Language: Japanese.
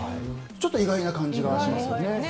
ちょっと意外な感じがしますけどね。